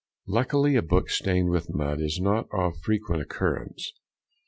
_—Luckily a book stained with mud is not of frequent occurrence.